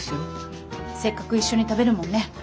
せっかく一緒に食べるもんね。